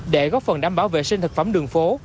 để góp phần đảm bảo vệ sinh thực phẩm đường phố